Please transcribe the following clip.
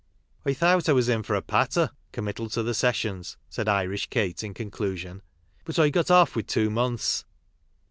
" I thow't I was in for a patter" (com mittal to the sessions), said Irish Kate in conclusion, 'but I got off wid two months."